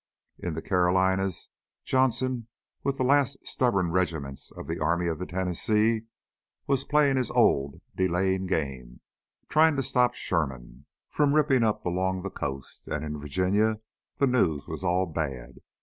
In the Carolinas, Johnston, with the last stubborn regiments of the Army of the Tennessee, was playing his old delaying game, trying to stop Sherman from ripping up along the coast. And in Virginia the news was all bad.